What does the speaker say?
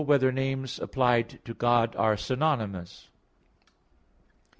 4] Whether Names Applied to God Are Synonymous?